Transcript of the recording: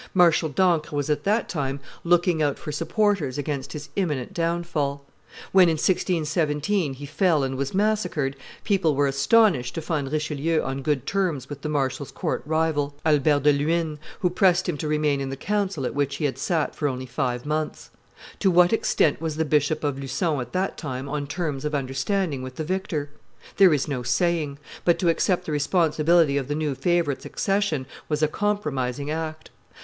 Marshal d'Ancre was at that time looking out for supports against his imminent downfall. When, in 1617, he fell and was massacred, people were astonished to find Richelieu on good terms with the marshal's court rival Albert de Luynes, who pressed him to remain in the council at which he had sat for only five months. To what extent was the Bishop of Lucon at that time on terms of understanding with the victor? There is no saying; but to accept the responsibility of the new favorite's accession was a compromising act.